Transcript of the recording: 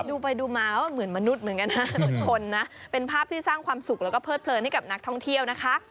ดูไปดูมาก็เหมือนมนุษย์เหมือนกันนะเหมือนคนนะเป็นภาพที่สร้างความสุขแล้วก็เพิดเพลินให้กับนักท่องเที่ยวนะคะ